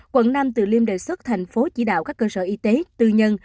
quận nam từ liêm đề xuất thành phố chỉ đạo các cơ sở y tế tư nhân